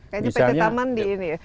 kayaknya pt taman di ini ya